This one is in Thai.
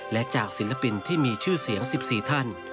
และจากศิลปินที่มีชื่อเสียง๑๔ท่าน